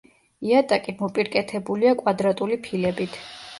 იატაკი მოპირკეთებულია კვადრატული ფილებით.